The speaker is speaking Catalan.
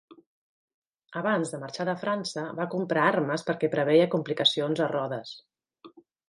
Abans de marxar de França va comprar armes perquè preveia complicacions a Rodes.